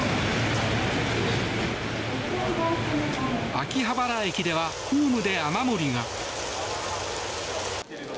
秋葉原駅ではホームで雨漏りが。